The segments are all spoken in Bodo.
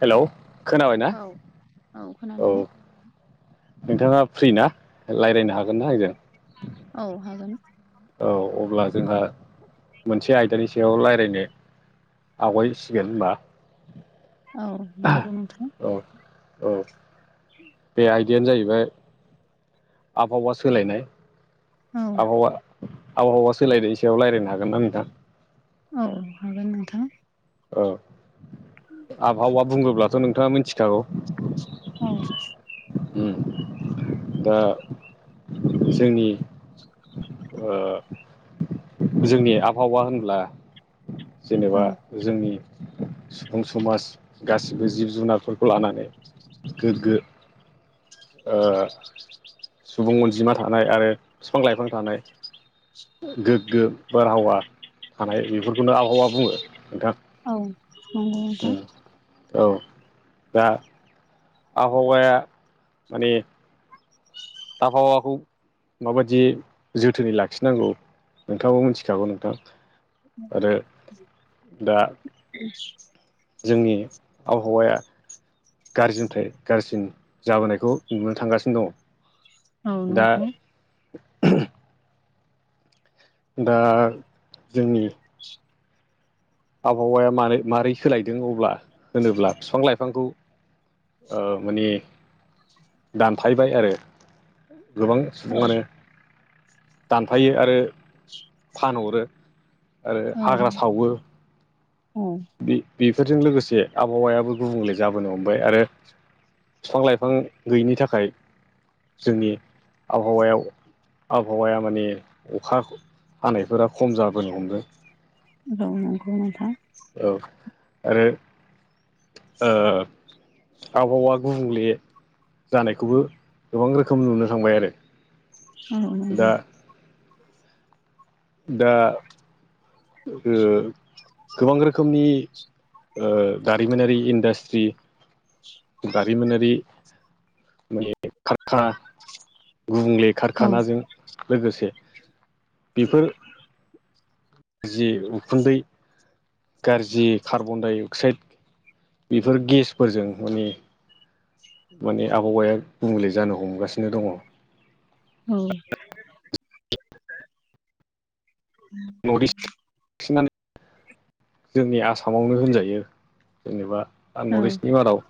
हेलौ खोनाबायना? औ औ खोनादों। नोंथाङा फ्रिना लायरायनो हागोन ना आंजों? औ हागोन। औ अब्ला जोंहा मोनसे आयदानि सायाव लायरायनो आवगायसिगोन होनबा औ नंगौ नोंथां। औ औ [inaudible] बे आयदायानो जाहैबाय आबहावा सोलायनाय। औ। आबहावा आबहावा सोलायनाय सायाव लायरायनो हागोन ना नोंथां? ओं हागोन नोंथां। औ आबहावा बुङोब्लाथ नोंथाङा मिनथिखागौ। औ उम दा जोंनि ओ जोंनि आबहावा होनब्ला औ जेनेबा जोंनि सुबुं समाज गासिबो जिब जुनारफोरखौ लानानै गोगगो ओ सुबुं अनजिमा थानाय आरो बिफां लाइफां थानाय गोगगो बारहावा थानाय बेफोरखौनो आबहावा बुङो नोंथां। औ नंगौ नोंथां। औ दा आबहावाया माने आबहावाखौ माबायदि जोथोनै लाखिनांगौ नोंथाङाबो मिनथिखागौ नोंथां। आरो दा [inaudible] जोंनि आबहावाया गाज्रिनिफ्राय गाज्रिसिन जाबोनायखौ नुनो थांगासिनो औ दङ दा नंगौ दा जोंनि आबहावाया मारै मारै सोलायदों अब्ला होनोब्ला बिफां लाइफांखौ माने दानफायबाय आरो गोबां सुबुङानो दानफायो आरो फानहरो आरो औ हाग्रा सावो औ बेफोरजों लोगोसे आबहावायाबो गुबुंले जाबोनो हमबाय आरो बिफां लाइफां गैयैनि थाखाय जोंनि आबहावायाव आबहावाया माने अखा हानायफोरा खम जाबोनो हमदों औ नंगौ नोंथां औ आरो ओ आबहावा गुबुंले जानायखौबो गोबां रोखोम नुनो थांबाय आरो औ औ नंगौ दा दा ओ गोबां रोखोमनि दारिमिनारि इन्डास्ट्रि दारिमिनारि माने खारखाना गुबुंले औ औ खारखानाजों लोगोसे बेफोर जि उखुन्दै गाज्रि कार्बन डाइ अक्साइड बेफोर गेसफोरजों माने माने आबहावाया गुबुंले जानो हमगासिनो दङ। औ नर्थ इस्ट [unintelligible] बांसिनानो जोंनि आसामावनो होनजायो जेनेबा नर्थ इस्टनि मादाव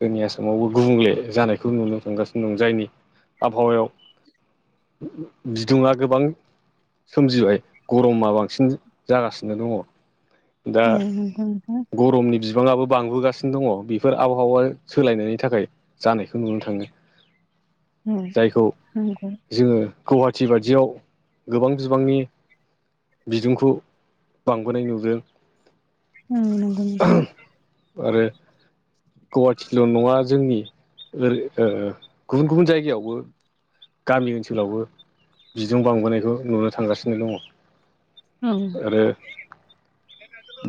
जोंनि आसामावबो गुबुंले जानायखौ नुनो थांगासिनो दं जायनि आबहावायाव बिदुङा गोबां सोमजिबाय। गरमा बांसिन जागासिनो दङ। दा औ नंगौ नोंथां औ गरमनि बिबाङाबो बांबोगासिनो सिनो दङ बेफोर आबहावा सोलायनायनि थाखाय जानायखौ नुनो थाङो। ओम ओम जायखौ नंगौ जोङो गुवाहाटि बायदियाव गोबां बिबांनि बिदुंखौ बांबोनाय नुदों। औ नंगौ नोंथां आरो गुवाहाटिल' नङा जोंनि ओै गुबुन गुबुन जायगायावबो गामि ओनसोलावबो बिदुं बांबोनायखौ नुनो थांगासिनो दङ। औ आरो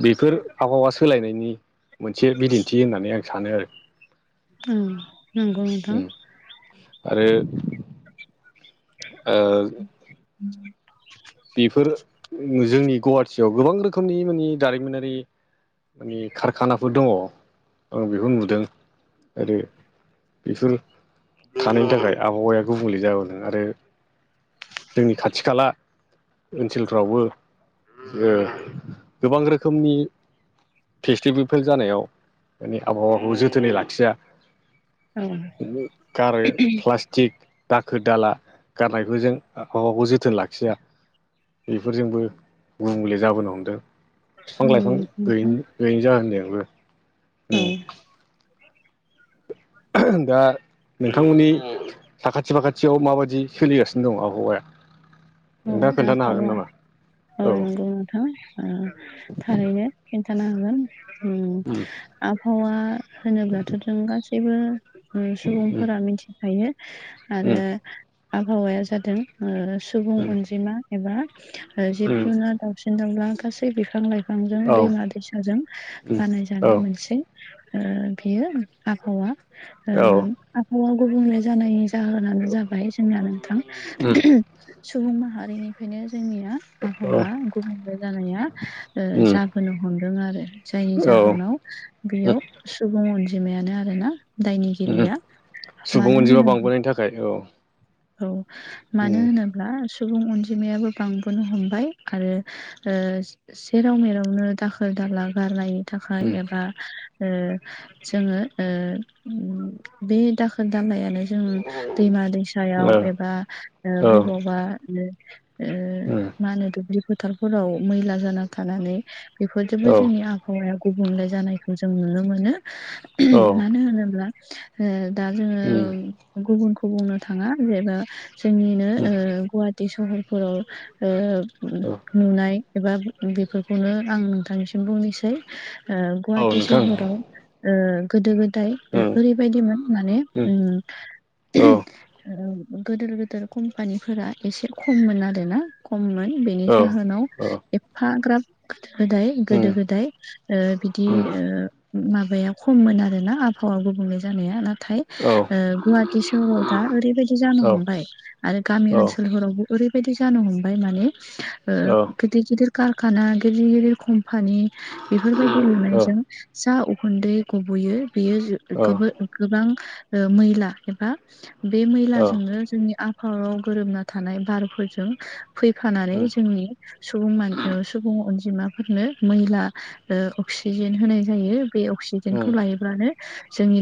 बेफोर आबहावा सोलायनायनि मोनसे बिदिन्थि होननानै आं सानो आरो। औ नंगौ नोंथां। उम आरो ओ [inaudible] बेफोर जोंनि गुवाहाटि गोबां रोखोमनि माने दारिमिनारि माने कारखानाफोर दङ। ओं बेखौ नुदों आरो बेफोर थानायनि थाखाय आबहावाया गुबुंले जाबोदों आरो जोंनि खाथि खाला ओनसोलफ्रावबो ओ गोबां रोखोमनि फेस्टिभेलफोर जानायाव माने आबहावाखौ जोथोनै लाखिया। औ गारो प्लासटिक दाखोर दाला गारनायखौ जों आबहावाखौ जोथोन लाखिया बेफोरजोंबो गुबुंले जाबोनो हमदों औ बिफां लाइफां नंगौ नोंथां गैयैनि गैयैनि जाहोनजोंबो औ उम दा नोंथांमोननि साखाथि फाखाथियाव माबायदि सोलिगासिनो दं आबहावाया औ नोंथाङा खोन्थानो हागोन आबहावा नामा? औ नंगौ नोंथां थारैनो खिन्थानो हागोन उम आबहावा होनोब्लाथ' जों गासैबो सुबुंफोरा मिथिखायो उम आरो उम आबहावाया जादों सुबुं उम अनजिमा एबा जिब उम जुनार दावसिन दावला गासै बिफां लाइ फांजों औ दैमा दैसाजों उम बानायजानाय औ मोनसे बेयो आबहावा औ आबहावा गुबुंले जानाय जाहोनानो जाबाय जोंना नोंथां उम सुबुं माहारिनिफ्रायनो जोंनिया औ आबहावा गुबुंले जानाया उम जाबोनो हमदों आरो जायनि औ जाहोनाव उम बेयाव सुबुं अनजिमायानो आरोना उम दायनिगिरिया मानो होनोब्ला गाय औ औ मानो उम होनोब्ला सुबुं अनजिमायाबो बांबोनो हमबाय आरो सेराव मेरावनो दाखोर दाला गारनायनि थाखाय उम एबा जोङो बे दाखोर दालायानो जों दैमा ओ दैसायाव एबा औ बबावबा उम मा होनो दुब्लि फोथारफोराव मैला जाना थानानै औ बेफोरजोंबो जोंनि आब आबहावाया गुबुंले जानायखौ जों नुनो मोनो औ मानो होनोब्ला ओ उम जोङो गुबुनखौ बुंनो थाङा जेबो जोंनिनो उम गुवाहाटी सहरफोराव औ नुनाय एबा बेफोरखौनो आं नोंथांनिसिम बुंनोसै औ गुवाहाटी नोंथां सोहोराव गोदो गोदाय उम ओरैबायदिमोन माने उम औ गोदोर गोदोर कम्पानिफोरा एसे खममोन आरोना खममोन बेनि औ जाहोनाव औ एफाग्राब गोदो गोदाय उम गोदो गोदाय बिदि उम माबाया खममोन आरो ना आबहावा गुबुंले जानाया नाथाय औ गुवाहाटी सहराव दा ओरैबायदि जानो औ उम हमबाय आरो गामि औ औ ओनसोलफोरावबो ओरैबायदि जानो हमबाय माने गिदिर गिदिर कारखाना गिदिर गिदिर कम्पानि बेफोरबायदि लुनायजों जा उखुन्दै गबयो बेयो उम औ गोबोर गोबां मैला एबा बे मैलाजोंनो जोंनि आब फाङाव गोरोबना थानाय बारफोरजों फैफानानै जोंनि सुबुं सुबुं अनजिमाफोरनो मैला अक्सिजेन होनाय जायो बे अक्सिजेनखौ उम लायोब्लानो जोंनि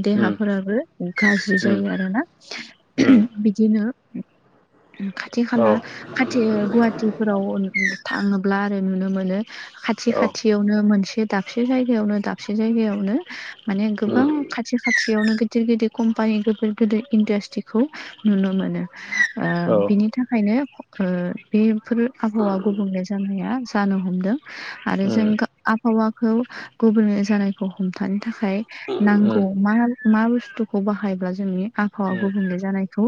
उम देहाफोराबो गाज्रि उम जायो आरोना उम बिदिनो खाथि खाला खाथियोययंयय गुवाहाटिफोराव थाङोब्ला आरो नुनो मोनो खा थि खाथि खाथियावनो मोनसे दाबसे जायगायावनो दाबसे जायगायावनो माने गोबां खाथि खाथियावनो गिदिर गिदिर कम्पानि गोदोर गोदोर इन्डास्ट्रिखौ नुनो मोनो बिनि थाखायनो बेफोर आबहावा गुबुंले जानो हा जानो हमदों आरो जों आबहावा खौ गुबुननि जानायखौ हमथानो थाखाय नांगौ मा मा बुस्थुखौ बाहायब्ला जोंनि आंहावा गुबुंले जानायखौ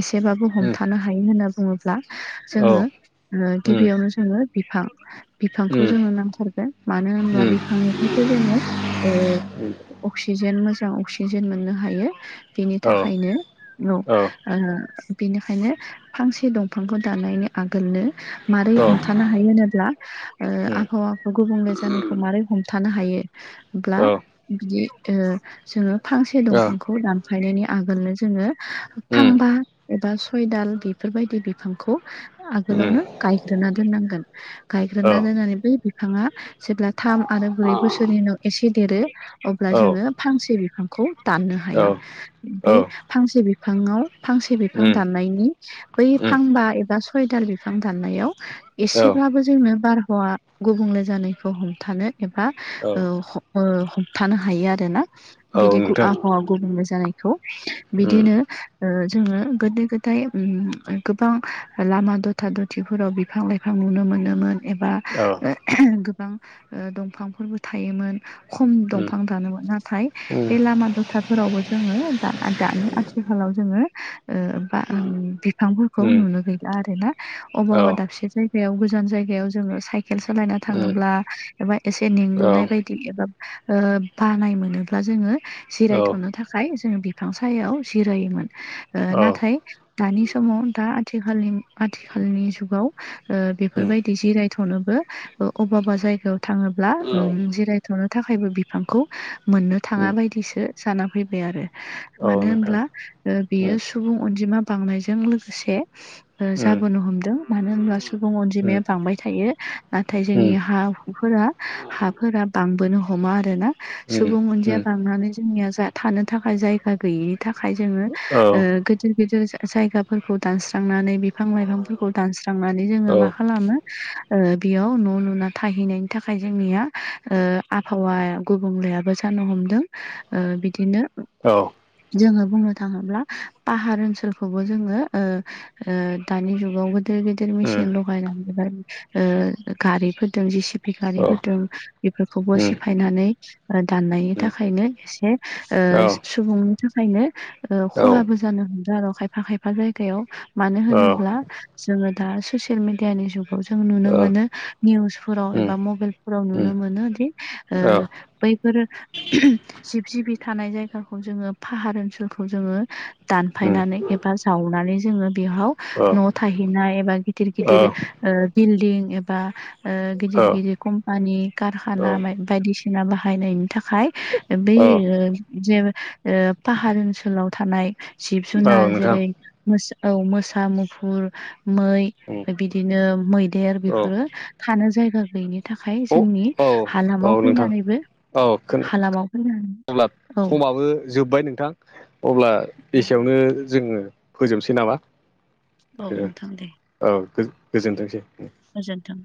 एसेबाबो हमथानो हायो। हायो होनना बुङोब्ला औ जोङो उम गिबियावनो जोङो बिफां। बिफांखौ उम जोङनो नांथारगोन मानो होनब्ला उम बिफांनि जोङो ओ अक्सिजेन मोजां अक्सिजेन मोननो हायो। औ थाखायनो औ बेनिखायनो फांसे दंफांखौ दानायनि आगोलनो मारै हमथानो हायो होनोब्ला ओ उम आबहावाखौ गुबुंले जानायखौ मारै हम थानो हायो अब्ला औ बिदि जोङो फांसे औ दंफांखौ दानफायनायनि आगोलनो जोङो उम फांबा एबा सयदाल बेफोरबायदि बिफांखौ उम आगोलावनो गायग्रोना दोननांगोन औ गायग्रोना दोननानै बै बिफाङा जेब्ला थाम आरो ब्रै बोसोरनि उनाव एसे देरो अब्ला औ जोङो फांसे बिफां खौ दाननो औ हायो बे फांसे बिफाङाव फांसे उम बिफां दाननायनि बै उम फांबा एबा सयदाल बिफां दाननायाव औ एसेब्लाबो जोंनो बारहावा गुबुंले जानायखौ हमथानो एबा औ ओ ह हमथानो हायो आरो ना बिदि नोंथां आबहावा गुबुंले जानाय खौ उम बिदिनो ओ जोङो गोदो गोदाय उम गोबां ओ लामा दथा दथिफोराव बिफां लाइफां फां नुनो मोनोमोन एबा औ [inaudible] गोबां ओ दंफांफोरबो थायोमोन खम उम दंफां दानोमोन नाथाय उम बे लामा दथाफोरावबो जों जोङो दाना दानि आथिखालाव जोङो ओ बा उम बिफांफोरखौ उम नुनो गैला आरो ना औ अबबा दाबसे जायगायाव बेयाव गोजान जायगायाव जोङो साइकेल सालायना उम औ थाङोब्ला एबा एसे औ मेंलुनाय बायदि दि एबा ओ बानाय मोनोब्ला जोङो जिरायथ'नो थाखाय खाय जोंङो बिफां सायाव जिरायोमोन ओ औ नाथाय दानि समाव दा आथिखालनि गु आथिखालनि जुगाव ओ बेफोर उम बायदि जिराय थनोबो ओ अबबा अबबा जायगायाव थाङोब्ला उम जिरायथ'नो थाखायबो बिफांखौ मोननो उम औ थाङा बायदिसो जाना फैबाय आरो मानो नोंथां होनब्ला उम ओ उम उम बियो सुबुं अनजिमा बांनायजों लोगोसे ओ उम जाबोनो हमदों मानो होनब्ला सु सुबुं उम अनजिमाया बांबाय थायो। नाथाय जोंनि हा हुफोरा हाफोरा बांबोनो हमा आरोना। सुबुं उम औ अनजिया औ उम औ उम औ बांनानै जोंनिया जा थानो थाखाय जायगा गैयि थाखाय जोङो ओ गोदिर गिदिर जा-जायगाफोरखौ दानस्रांनानै बिफां लाइफांफोरखौ दानस्रांनानै जोङो मा खालामो? ओ बेयाव न' लुना थाहैनायनि थाखाय जोंनिया ओ आबहावा गुबुंलेयाबो सानो हमदों ओ बिदिनो औ जोङो बुंनो थाङोब्ला पाहार ओनसोलखौबो जोङो ओ ओ दानि जुगावबो गोद गिदिर मेसिन लगायनानैहाय ओ गारिफोरदों जिसिपि उम गारिफोरदों बेफोरखौबो सिफायनानै ओ दाननायनि थाखायनो एसे [unintelligible] सुबुंनि थाखायनो ओ खहाबो जानो हमदो आर' खायफा खायफा जायगायाव। मानो होनोब्ला जोङो दा सुसियेल मेडियानि जुग जों नुनो मोनो निउसफोराव एबा मबाइलफोराव नुनो मोनो दि औ ओ बैफोरो [inaudible] जिब जिबि थानाय जायगाखौ जोङो फाहार ओनसोलखौ जोङो उम दानफायनानै एबा जावनानै जोङो बेहाव औ न' थाहैनाय एबा गिदिर औ गिदिर ओ बिल्डिं एबा ओ गिदिर औ गिदिर कम्पानि औ कारखाना मै बायदिसिना बाहायनायनि थाखाय बै औ ओ जे बे ओ पाहार ओनसोलाव थानाय जिब औ जुनार नोंथां जेरै मैसौ औ मोसा मुफुर मै उम ओमफाय बिदिनो मैदेर औ बेफोरो थानो जायगा गैयिनि थाखाय औ जोंनि औ हालामाव नोंथां फैनानैबो औ हालामाव फैनानै अब्ला औ समाबो जोब्बाय नोंथां अब्ला एसेयावनो जोङो फोजोबनोसै नामा औ नोंथां दे औ गोजोन गोजोनथोंसै गोजोन्थों